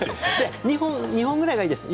２本ぐらいがいいですね。